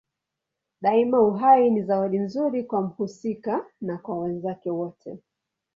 Daima uhai ni zawadi nzuri kwa mhusika na kwa wenzake wote.